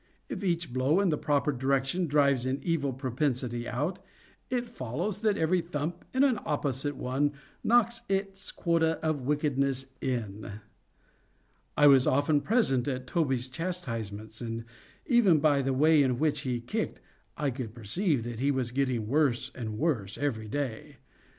If each blow in the proper direction drives an evil propensity out, it follows that every thump in an opposite one knocks its quota of wickedness in. I was often present at Toby's chastisements, and, even by the way in which he kicked, I could perceive that he was getting worse and worse every day.